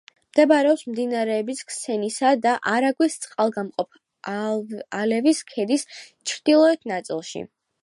მდებარეობს მდინარეების ქსნისა და არაგვის წყალგამყოფ ალევის ქედის ჩრდილოეთ ნაწილში.